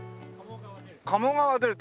鴨川デルタ。